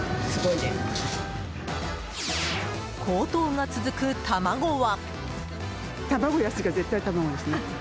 高騰が続く卵は。